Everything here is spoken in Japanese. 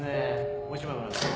もう一枚もらいます